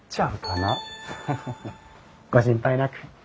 ご心配なく。